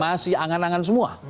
masih angan angan semua